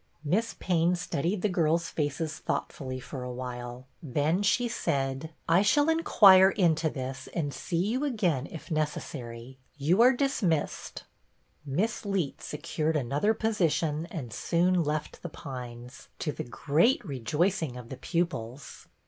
Miss Payne studied the girls' faces thought fully for a while, then she said, — BETTY BAIRD 182 " I shall inquire into this and see you again if necessary. You are dismissed." Miss Leet secured another position and soon left The Pines, to the great rejoicing of the pupils.